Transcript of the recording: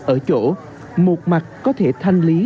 ở chỗ một mặt có thể thanh lý